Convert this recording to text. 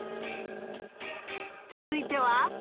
つづいては。